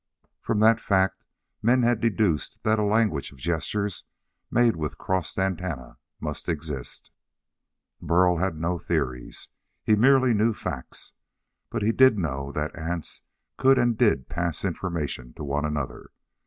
From that fact men had deduced that a language of gestures made with crossed antennae must exist. Burl had no theories. He merely knew facts, but he did know that ants could and did pass information to one another.